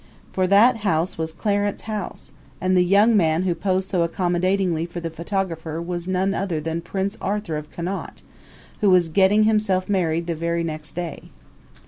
For that house was Clarence House, and the young man who posed so accommodatingly for the photographer was none other than Prince Arthur of Connaught, who was getting himself married the very next day.